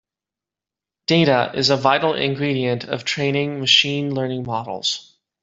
Data is a vital ingredient of training machine learning models.